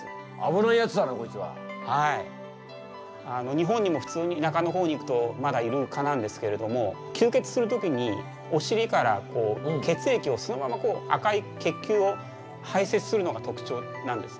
日本にも普通に田舎の方に行くとまだいる蚊なんですけれども吸血する時にお尻から血液をそのままこう赤い血球を排せつするのが特徴なんですね。